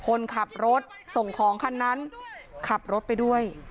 คนขับรถส่งของคันนั้นขับรถไปด้วย